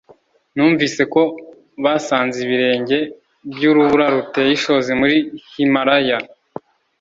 Numvise ko basanze ibirenge byurubura ruteye ishozi muri Himalaya